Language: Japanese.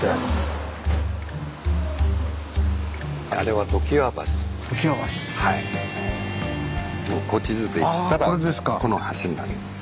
あれは古地図でいったらこの橋になります。